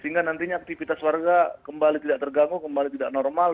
sehingga nantinya aktivitas warga kembali tidak terganggu kembali tidak normal